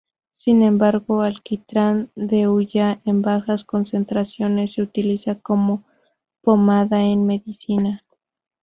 Sin embargo, alquitrán de hulla en bajas concentraciones se utiliza como pomada en medicina.